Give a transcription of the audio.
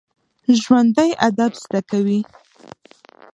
ژوندي ادب زده کوي